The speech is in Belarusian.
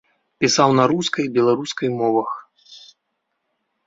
Пісаў на рускай, беларускай мовах.